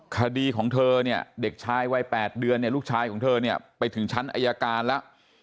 คดีของเธอเนี่ยเด็กชายวัย๘เดือนเนี่ยลูกชายของเธอเนี่ยไปถึงชั้นอายการแล้ว